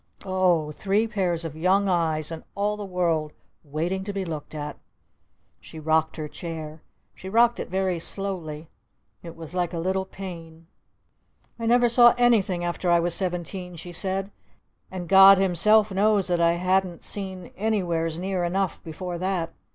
"O h! Three pairs of Young Eyes and all the World waiting to be looked at!" She rocked her chair. She rocked it very slowly. It was like a little pain. "I never saw anything after I was seventeen!" she said. "And God himself knows that I hadn't seen anywheres near enough before that!